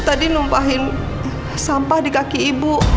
tadi numpahin sampah di kaki ibu